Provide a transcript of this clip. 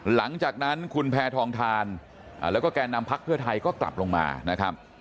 หลังจากนั้นคุณแพทองทานแล้วก็แก่นำพักเพื่อไทยก็กลับลงมานะครับ